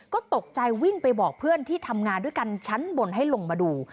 ก็ตกใจวิ่งไปบอกเพื่อนที่ทำงานด้วยกันชั้นบนให้ลงมาดู